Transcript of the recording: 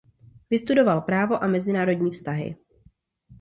Vystudoval právo a mezinárodní vztahy.